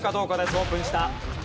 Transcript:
オープンした。